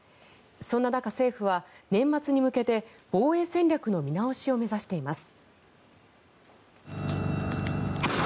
そんな中、政府は年末に向けて防衛戦略の見直しを目指しています。